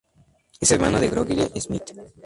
Es hermano de Gregory Smith.